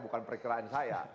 bukan perkiraan saya